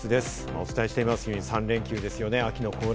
お伝えしていますように、３連休ですね。